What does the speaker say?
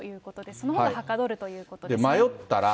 そのほうがはかどるということですね。